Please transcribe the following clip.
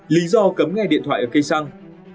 lý do cấm ngay điện thoại ở cây xăng